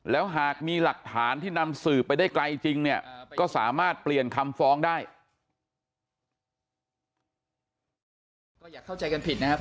แล้วหากมีหลักฐานที่นำสืบไปได้ไกลจริงเนี่ยก็สามารถเปลี่ยนคำฟ้องได้